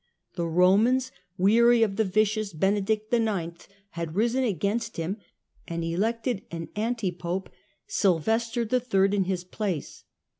The Eomans, weary of the vicious Benedict IX., had risen against him and elected an anti pope, Sylvester III., in his place.